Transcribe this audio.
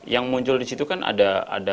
yang muncul disitu kan ada